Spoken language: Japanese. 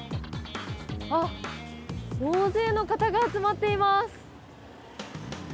あっ、大勢の方が集まっています